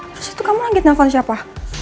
terus itu kamu lagi nelfon siapa